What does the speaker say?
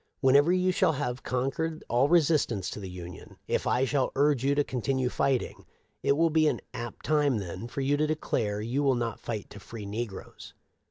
Whenever you shall have con quered all resistance to the Union, if I shall urge you to continue fighting, it will be an apt time then for you to declare you will not fight to free negroes.